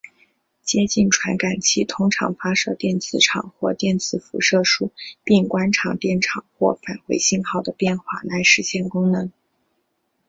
接近传感器通常发射电磁场或电磁辐射束并观察电场或返回信号的变化来实现功能。